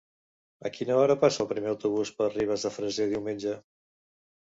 A quina hora passa el primer autobús per Ribes de Freser diumenge?